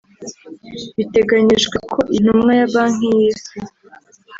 Biteganyijwe ko iyi ntumwa ya Banki y’Isi